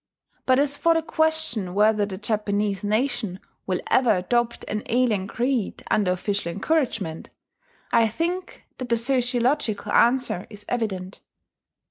But as for the question whether the Japanese nation will ever adopt an alien creed under official encouragement, I think that the sociological answer is evident.